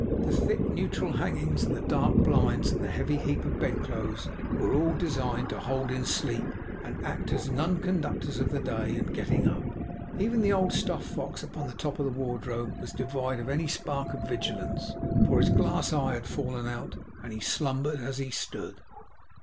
The thick neutral hangings, and the dark blinds, and the heavy heap of bed clothes, were all designed to hold in sleep, and act as nonconductors to the day and getting up. Even the old stuffed fox upon the top of the wardrobe was devoid of any spark of vigilance, for his glass eye had fallen out, and he slumbered as he stood.